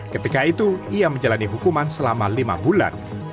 ketika itu ia menjalani hukuman selama lima bulan